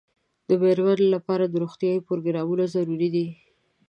د مېرمنو لپاره د روغتیايي پروګرامونو ضرورت دی.